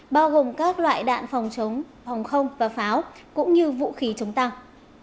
bao gồm các loại đạn phòng chống phòng không và pháo cũng như vũ khí chống tăng